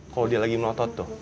kalau dia lagi melotot tuh